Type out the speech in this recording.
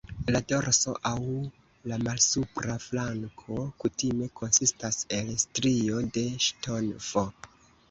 La dorso aŭ la malsupra flanko kutime konsistas el strio de ŝtofo.